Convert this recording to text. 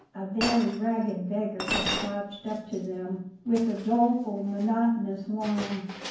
A very ragged beggar had slouched up to them, with a doleful, monotonous whine.